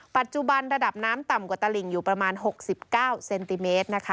ปัจจุบันระดับน้ำต่ำกว่าตลิงอยู่ประมาณ๖๙เซนติเมตรนะคะ